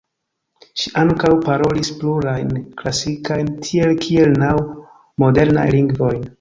Ŝi ankaŭ parolis plurajn klasikajn tiel kiel naŭ modernajn lingvojn.